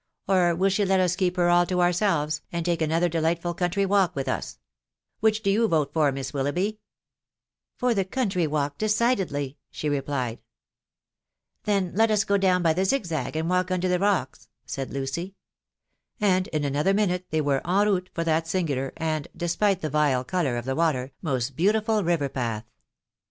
Or will she let us keep her all to ourselves, and take another delightful country walk with us r Which do you rote* ife& Miss WJUougbby." THE WIB0W BatwNAwY. iMi t€t Ear the (country walk, decidedly/' she repKed. *• 4Then let us go down. by the aig aag, and walk under the rocks/' said Lucy ; and in another minute they were en raawtr for that /imsgntor and {despite the vile colour of the water) most baaartiftd nve^Hpaoh.